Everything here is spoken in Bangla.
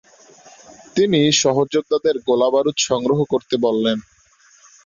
তিনি সহযোদ্ধাদের গোলাবারুদ সংগ্রহ করতে বললেন।